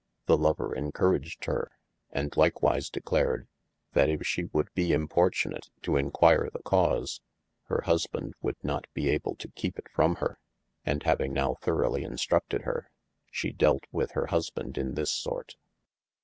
The lover encoraged hir, & likewise declared, that if she would be importunate to enquire the cause, hir husband would not be able to kepe it from hir: and having now throughly instructed hir, shee dealt with her husband in this sort.